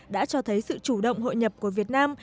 đã cho thấy sự chủ động hội nhập của việt nam